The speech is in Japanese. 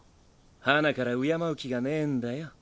はなから敬う気がねぇんだよ。